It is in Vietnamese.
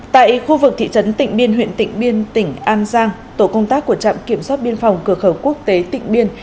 tại khu vực thị trấn tịnh biên huyện tịnh biên tỉnh an giang tổ công tác của trạm kiểm soát biên phòng cửa khẩu quốc tế tịnh biên